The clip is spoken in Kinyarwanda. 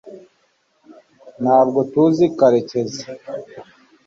ntabwo tuzi karekezi